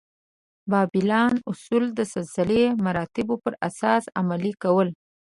بابلیان اصول د سلسله مراتبو پر اساس عملي کول.